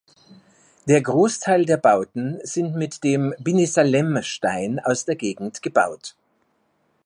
Der Großteil der Bauten sind mit dem Binissalem-Stein aus der Gegend gebaut.